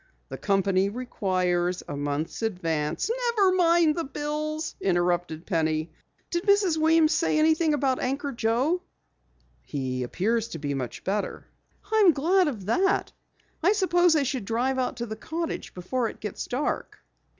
The company requires a month's advance " "Never mind the bills," interrupted Penny. "Did Mrs. Weems say anything about Anchor Joe?" "He appears to be much better." "I'm glad of that. I suppose I should drive out to the cottage before it gets dark."